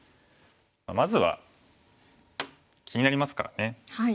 まずは気になりますからね。